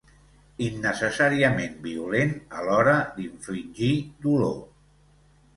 Innecessàriament violent a l'hora d'infligir dolor.